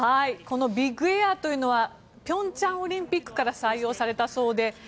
このビッグエアというのは平昌オリンピックから採用されたそうで。